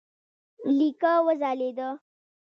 لیکه وځلېده.